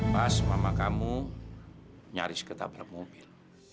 pas mama kamu nyaris ketabrak mobil